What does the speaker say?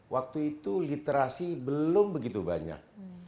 waktu itu literasi belum begitu banyak